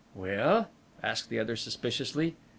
"Well?" asked the other suspiciously.